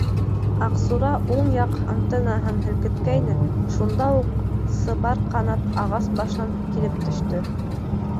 Аҡсура уң яҡ антеннаһын һелкеткәйне, шунда уҡ Сыбар Ҡанат ағас башынан килеп төштө.